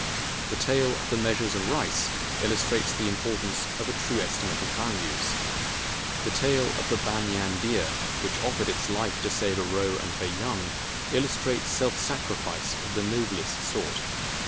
The tale of the Measures of Rice illustrates the importance of a true estimate of values. The tale of the Banyan Deer, which offered its life to save a roe and her young, illus trates self sacrifice of the noblest sort.